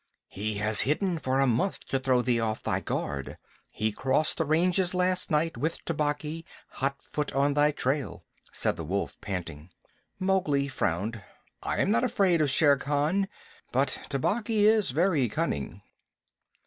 "He has hidden for a month to throw thee off thy guard. He crossed the ranges last night with Tabaqui, hot foot on thy trail," said the Wolf, panting. Mowgli frowned. "I am not afraid of Shere Khan, but Tabaqui is very cunning."